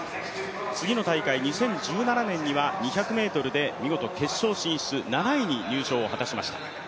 次の大会、２０１７年には２００ｍで見事決勝進出、７位に入賞を果たしました。